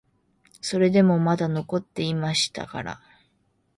それでもまだ残っていましたから、